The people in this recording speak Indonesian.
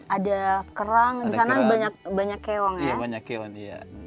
ada kerang di sana banyak keong ya